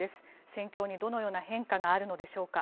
戦況にどのような変化があるのでしょうか。